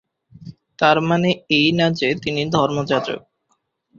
তার মানে এই না যে তিনি ধর্মযাজক।